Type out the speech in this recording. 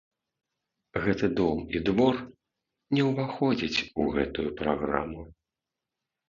Гэты дом і двор не ўваходзяць у гэтую праграму.